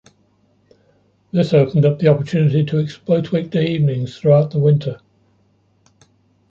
This opened up the opportunity to exploit weekday evenings throughout the winter.